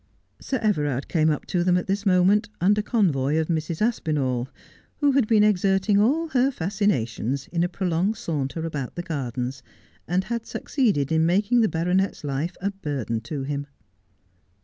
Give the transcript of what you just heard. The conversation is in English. Sir Everard came up to them at this moment, under convoy of Mrs. Aspinall, who had been exerting all her fascinations in a prolonged saunter about the gardens, and had succeeded in making the baronet's life a burden to him.